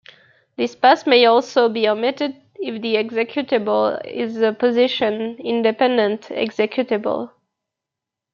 This pass may also be omitted if the executable is a position independent executable.